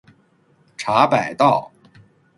茶百道